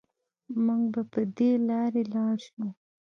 مونږ به په دې لارې لاړ شو